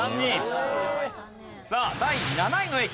さあ第７位の駅